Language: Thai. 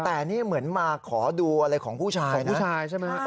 แต่นี่เหมือนมาขอดูอะไรของผู้ชายนะ